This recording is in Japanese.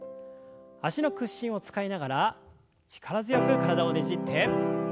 脚の屈伸を使いながら力強く体をねじって。